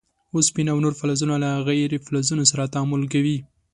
اوسپنه او نور فلزونه له غیر فلزونو سره تعامل کوي.